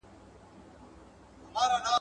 • کږه غاړه توره هم نسي وهلاى.